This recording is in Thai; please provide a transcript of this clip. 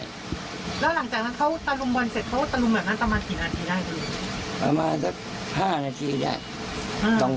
แล้วหลังจากนั้นเขาตะลุมบอลเสร็จเขาตะลุมแบบนั้นประมาณกี่นาทีได้